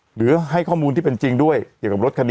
หรือให้ข้อมูลที่เป็นจริงด้วยเกี่ยวกับรถคันนี้